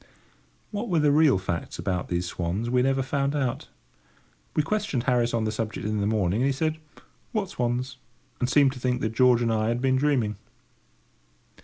What were the real facts about these swans we never found out. We questioned Harris on the subject in the morning, and he said, "What swans?" and seemed to think that George and I had been dreaming.